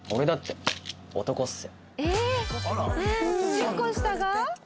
１０個下が？